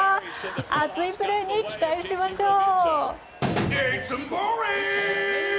熱いプレーに期待しましょう。